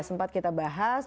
sempat kita bahas